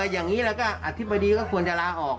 อย่างนี้แล้วก็อธิบดีก็ควรจะลาออก